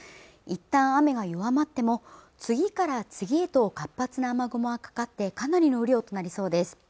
いったん雨が弱まっても次から次へと活発な雨雲がかかってかなりの雨量となりそうです